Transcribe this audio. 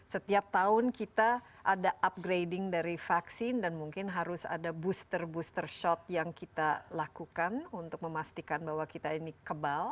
setiap tahun kita ada upgrading dari vaksin dan mungkin harus ada booster booster shot yang kita lakukan untuk memastikan bahwa kita ini kebal